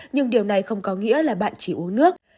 nhưng điều này không có nghĩa là bạn chỉ uống nước